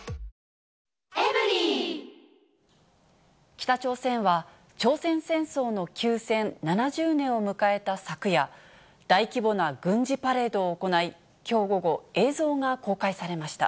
北朝鮮は、朝鮮戦争の休戦７０年を迎えた昨夜、大規模な軍事パレードを行い、きょう午後、映像が公開されました。